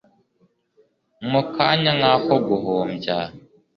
Mu kanya nkako guhumbya